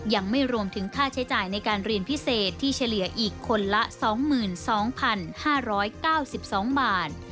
ยังไม่รวมถึงค่าใช้จ่ายในการเรียนพิเศษที่เฉลี่ยอีกคนละ๒๒๕๙๒บาท